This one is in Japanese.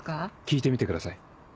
聞いてみてください。